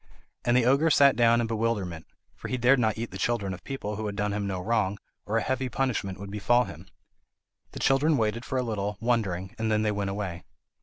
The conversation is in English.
And the ogre sat down in bewilderment, for he dared not eat the children of people who had done him no wrong, or a heavy punishment would befall him. The children waited for a little, wondering, and then they went away.